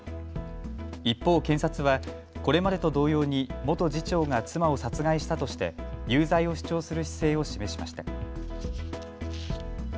一方、検察はこれまでと同様に元次長が妻を殺害したとして有罪を主張する姿勢を示しました。